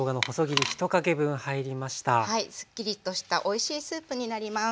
すっきりとしたおいしいスープになります。